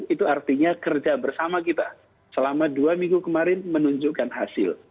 itu artinya kerja bersama kita selama dua minggu kemarin menunjukkan hasil